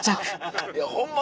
いやホンマ